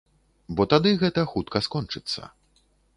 Бо тады гэта хутка скончыцца.